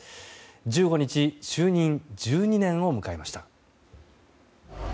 １５日就任１２年を迎えました。